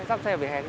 giáp xe về hèn